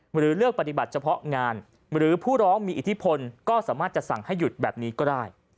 หรือเลือกปฏิบัติเฉพาะงานหรือผู้ร้องมีอิทธิพลก็สามารถจะสั่งให้หยุดแบบนี้ก็ได้